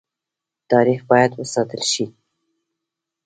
تاریخ باید وساتل شي